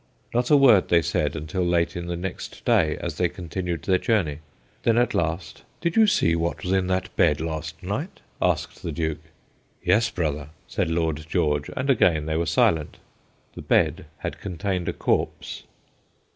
Not a word they said until late in the next day as they continued their journey. Then at last :* Did you see what was in that bed last night? ' asked the Duke. ' Yes, brother/ said Lord George, and again they were silent. The bed had contained a corpse.